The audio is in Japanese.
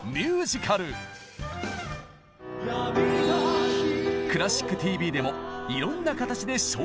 「クラシックＴＶ」でもいろんな形で紹介してきましたよね。